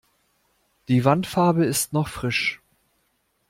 Die Wandfarbe ist noch frisch.